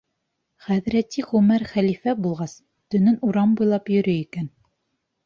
Хәҙрәти Ғүмәр хәлифә булғас, төнөн урам буйлап йөрөй икән.